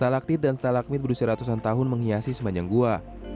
stalaktit dan stalakmit berusia ratusan tahun menghiasi sepanjang gua